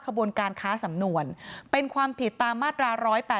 ขบวนการค้าสำนวนเป็นความผิดตามมาตรา๑๘๘